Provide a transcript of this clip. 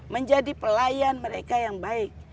menjadi pelayan mereka yang baik